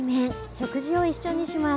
食事を一緒にします。